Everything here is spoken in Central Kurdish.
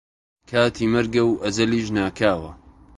کاتی مەرگە و ئەجەلیش ناکاوە